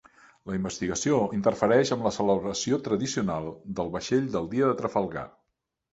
La investigació interfereix amb la celebració tradicional del vaixell del Dia de Trafalgar.